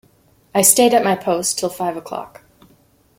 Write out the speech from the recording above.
I stayed at my post till five o’clock.